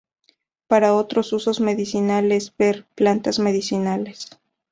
Para otros usos medicinales, ver: Plantas medicinales.